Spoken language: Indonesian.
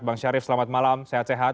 bang syarif selamat malam sehat sehat